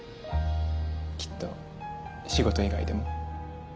きっと仕事以外でも。